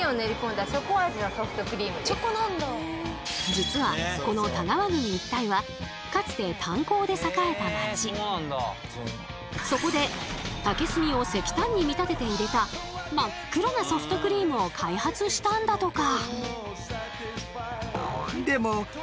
実はこの田川郡一帯はかつてそこで竹炭を石炭に見立てて入れた真っ黒なソフトクリームを開発したんだとか。